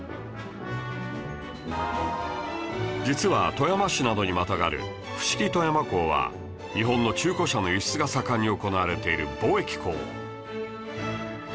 実は富山市などにまたがる伏木富山港は日本の中古車の輸出が盛んに行われている貿易港